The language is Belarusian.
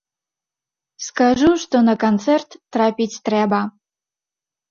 Скажу, што на канцэрт трапіць трэба!